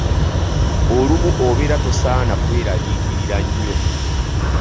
Olumu obeera tosaana kweraliikirira nnyo.